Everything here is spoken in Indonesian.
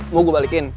mau gue balikin